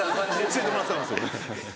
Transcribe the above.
教えてもらったんですよね。